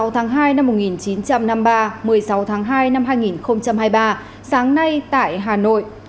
hai mươi tháng hai năm một nghìn chín trăm năm mươi ba một mươi sáu tháng hai năm hai nghìn hai mươi ba sáng nay tại hà nội